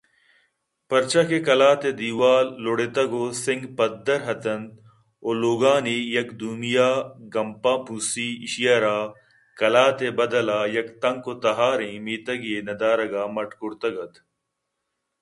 پرچاکہ قلات ءِ دیوال لُڑیتگ ءُسنگ پدّر اِت اَنت ءُلوگانی یکے دومی ءَ گمپا پونسی ایشیءَ را قلات ءِ بدل ءَ یک تنک ءُتہاریں میتگے ءِ ندارگ ءَمٹ کرتگ اَت